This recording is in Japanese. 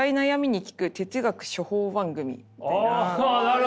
おなるほど！